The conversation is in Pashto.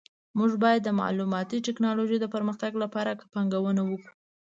موږ باید د معلوماتي ټکنالوژۍ د پرمختګ لپاره پانګونه وکړو